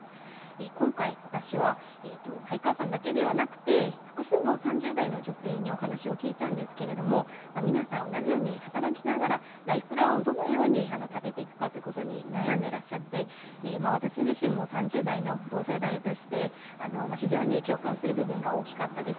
今回、私は前川さんだけではなく複数の３０代の女性にお話を聞いたんですが皆さん、同じように働きながらライフプランをどのように立てていくかということに悩んでいらっしゃって、私自身も３０代の同世代として非常に共感する部分が大きかったです。